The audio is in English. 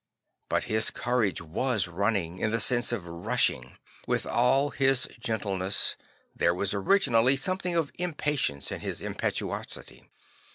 But his courage was running, in the sense of rushing. With all his gentleness, there was originally something of impatience in his impetuosity.